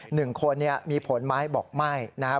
หนึ่งคนเนี่ยมีผลไหมบอกไม่นะครับ